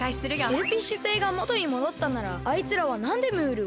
シェルフィッシュ星がもとにもどったならあいつらはなんでムールを？